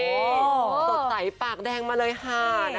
สดใสปากแดงมาเลยค่ะ